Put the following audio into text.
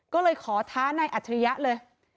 ก็เลยขอท้านายอัจฉริยะเลย